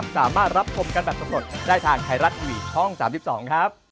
สวัสดีครับ